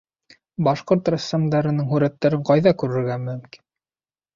Башҡорт рәссамдарының һүрәттәрен ҡайҙа күрергә мөмкин?